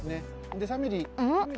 で３ミリ。